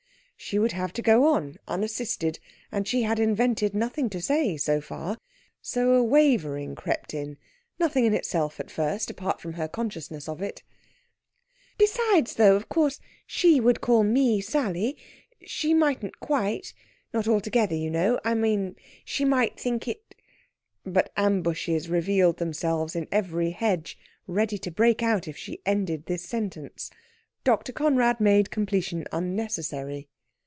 She would have to go on, unassisted, and she had invented nothing to say, so far. So a wavering crept in nothing in itself at first, apart from her consciousness of it. "Besides, though, of course she would call me Sally, she mightn't quite not altogether, you know I mean, she might think it...." But ambushes revealed themselves in every hedge, ready to break out if she ended this sentence. Dr. Conrad made completion unnecessary.